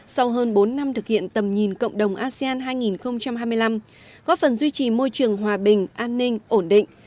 sau hơn bốn năm thực hiện tầm nhìn cộng đồng asean hai nghìn hai mươi năm góp phần duy trì môi trường hòa bình an ninh ổn định